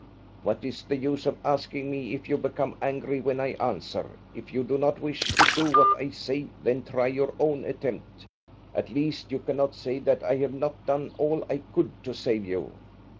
"What is the use of asking me, if you become angry when I answer? If you do not wish to do what I say, then try your own attempt. At least you cannot say that I have not done all I could to save you."